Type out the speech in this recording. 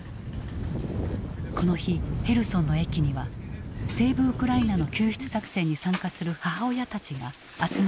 この日ヘルソンの駅にはセーブ・ウクライナの救出作戦に参加する母親たちが集まっていた。